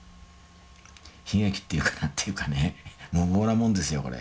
悲劇っていうか何て言うかね無謀なもんですよこれ。